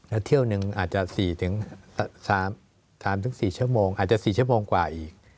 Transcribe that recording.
แล้วเที่ยวหนึ่งอาจจะ๔๓๔ชั่วโมงอาจจะ๔ชั่วโมงกว่าอีก